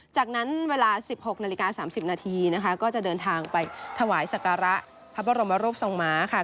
จากนั้นเวลา๑๖นาฬิกา๓๐นาทีนะคะก็จะเดินทางไปถวายสักการะพระบรมรูปทรงม้าค่ะ